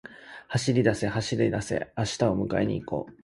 走りだせ、走りだせ、明日を迎えに行こう